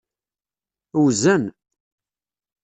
Wzen.